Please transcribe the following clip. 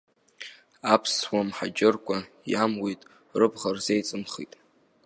Аԥсуа мҳаџьырқәа, иамуит, рыбӷа рзеиҵымхит.